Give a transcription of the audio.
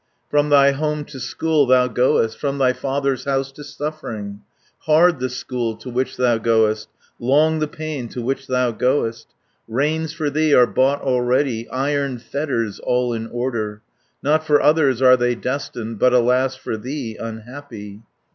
230 "From thy home to school thou goest, From thy father's house to suffering. Hard the school to which thou goest, Long the pain to which thou goest. Reins for thee are bought already, Iron fetters all in order, Not for others are they destined, But alas, for thee, unhappy.